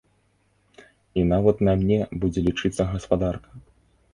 І нават на мне будзе лічыцца гаспадарка.